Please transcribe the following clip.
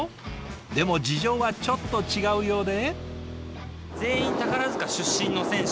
でも事情はちょっと違うようで。